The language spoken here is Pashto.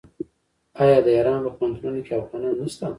آیا د ایران په پوهنتونونو کې افغانان نشته؟